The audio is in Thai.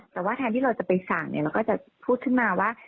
แต่ว่าแทนที่เราจะไปสั่งเราก็จะพูดขึ้นมาว่า